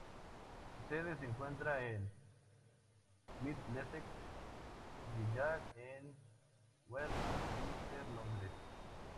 Su sede se encuentra en Middlesex Guildhall, en Westminster, Londres.